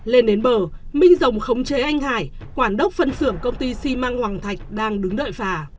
lên đến bờ minh rồng khống chế anh hải quản đốc phân xưởng công ty si mang hoàng thạch đang đứng đợi phà